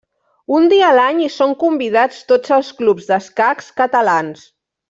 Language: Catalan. Un dia a l'any hi són convidats tots els clubs d'escacs catalans.